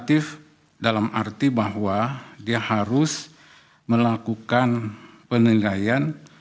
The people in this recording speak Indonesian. terima kasih ya mulia